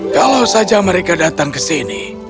kalau saja mereka datang ke sini